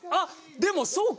でもそうか！